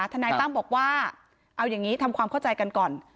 ทนายตั้มบอกว่าเอาอย่างนี้ทำความเข้าใจกันก่อน